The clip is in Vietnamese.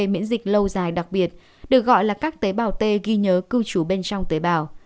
miễn dịch lâu dài đặc biệt được gọi là các tế bào t ghi nhớ cư trú bên trong tế bào